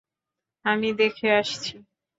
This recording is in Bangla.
আমি দেখে আসছি।